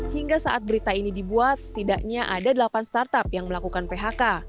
hingga saat berita ini dibuat setidaknya ada delapan startup yang melakukan phk